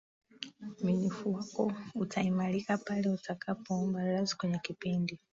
uaminifu wako utaimarika pale utakapoomba radhi kwenye kipindi